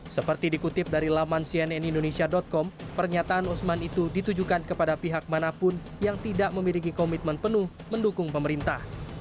seperti dikutip dari laman cnnindonesia com pernyataan usman itu ditujukan kepada pihak manapun yang tidak memiliki komitmen penuh mendukung pemerintah